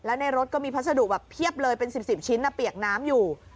แล้วในรถก็มีพัสดุแบบเพียบเลยเป็น๑๐ชิ้นเปียกน้ำอยู่